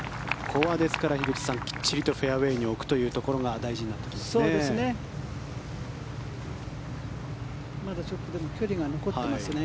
ここはですから樋口さんきっちりとフェアウェーに置くということが大事になってきますね。